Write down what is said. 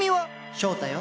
翔太よ。